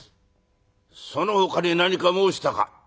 「そのほかに何か申したか？」。